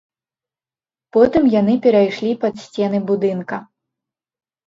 Потым яны перайшлі пад сцены будынка.